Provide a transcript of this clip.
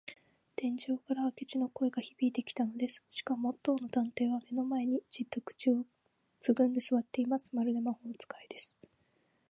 天井から明智の声がひびいてきたのです。しかも、当の探偵は目の前に、じっと口をつぐんですわっています。まるで魔法使いです。